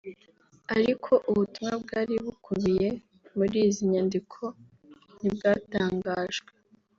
ariko ubutumwa bwari bukubiye muri izi nyandiko ntibwatangajwe